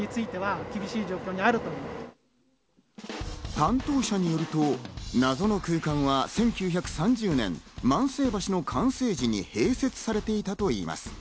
担当者によると、謎の空間は１９３０年万世橋の完成時に併設されていたといいます。